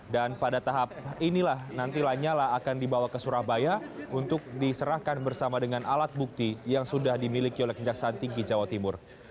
dan pada tahap inilah nanti lanyala akan dibawa ke surabaya untuk diserahkan bersama dengan alat bukti yang sudah dimiliki oleh kejaksaan tinggi jawa timur